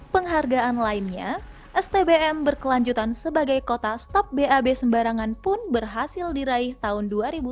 penghargaan lainnya stbm berkelanjutan sebagai kota stop bab sembarangan pun berhasil diraih tahun dua ribu dua puluh